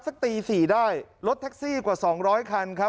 สักตี๔ได้รถแท็กซี่กว่า๒๐๐คันครับ